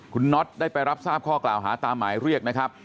คุณน็อตได้ไปรับทราบข้อกล่าวหาตามหมายเรียกนะครับ